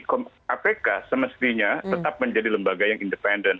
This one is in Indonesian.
kpk semestinya tetap menjadi lembaga yang independen